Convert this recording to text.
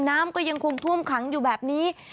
น้ำก็ยังคงท่วมขังอยู่แบบนี้